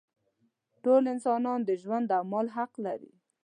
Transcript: ټول انسانان د ژوند او مال حق لري.